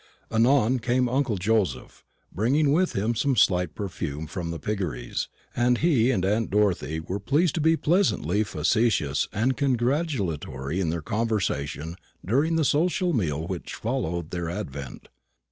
Anon came uncle Joseph, bringing with him some slight perfume from the piggeries, and he and aunt Dorothy were pleased to be pleasantly facetious and congratulatory in their conversation during the social meal which followed their advent.